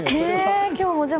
今日、もじゃ